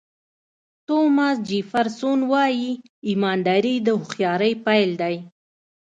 توماس جیفرسون وایي ایمانداري د هوښیارۍ پیل دی.